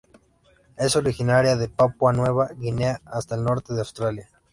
Es originaria de Papúa Nueva Guinea hasta el norte de Australia.